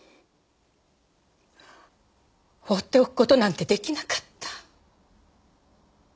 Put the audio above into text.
放っておく事なんて出来なかった。